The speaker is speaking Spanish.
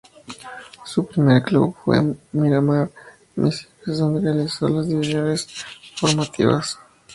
Su primer club fue Miramar Misiones, donde realizó las divisiones formativas.